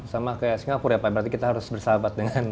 sama seperti singapura pak berarti kita harus bersahabat dengan